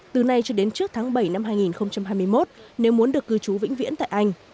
từ nay cho đến trước tháng bảy năm hai nghìn hai mươi một nếu muốn được cư trú vĩnh viễn tại anh